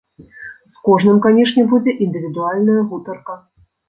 З кожным, канешне, будзе індывідуальная гутарка.